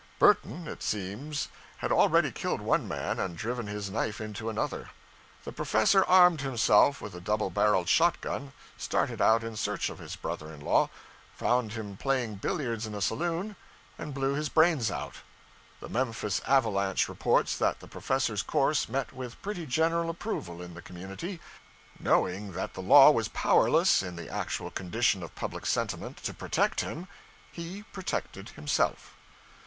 Burton, it seems, had already killed one man and driven his knife into another. The Professor armed himself with a double barreled shot gun, started out in search of his brother in law, found him playing billiards in a saloon, and blew his brains out. The 'Memphis Avalanche' reports that the Professor's course met with pretty general approval in the community; knowing that the law was powerless, in the actual condition of public sentiment, to protect him, he protected himself.